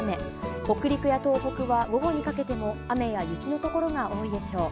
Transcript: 北陸や東北は午後にかけても雨や雪の所が多いでしょう。